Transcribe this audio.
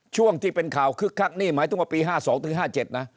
ช่วงที่เป็นข่าวคึกคักนี่หมายถึงว่าปี๕๒๕๗นะ